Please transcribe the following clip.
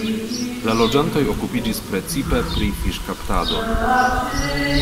La loĝantoj okupiĝis precipe pri fiŝkaptado.